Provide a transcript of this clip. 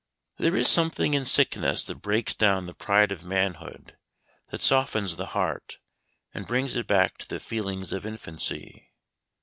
There is something in sickness that breaks down the pride of manhood, that softens the heart, and brings it back to the feelings of infancy.